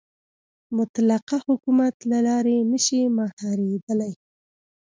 مطلقه حکومت له لارې نه شي مهارېدلی.